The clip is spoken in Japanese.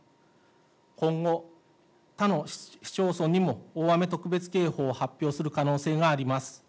今後、他の市町村にも大雨特別警報を発表する可能性があります。